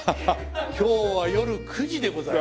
今日は夜９時でございます。